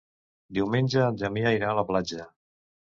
Diumenge en Damià irà a la platja.